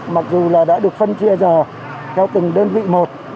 mặc dù là đã được phân chia giờ theo từng đơn vị một